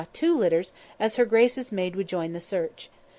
two litters, as her grace's maid would join in the search.